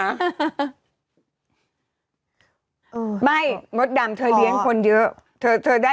ไม่มดดำเธอเลี้ยงคนเยอะ